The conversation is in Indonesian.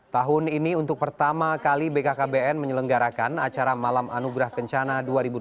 tahun ini untuk pertama kali bkkbn menyelenggarakan acara malam anugerah kencana dua ribu dua puluh